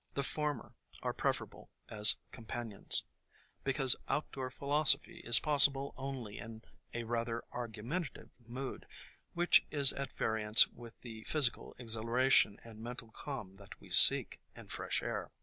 The former are preferable as companions, because outdoor philosophy is possible only in a rather argu mentative mood, which is at variance with the physical exhilaration and mental calm that we seek in fresh air.